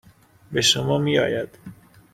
به شما میآید.